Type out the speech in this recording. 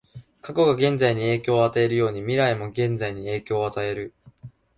過去が現在に影響を与えるように、未来も現在に影響を与える。